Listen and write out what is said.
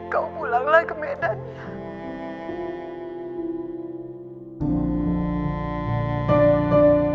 kau pulanglah ke medan